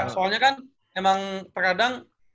soalnya kan emang terkadang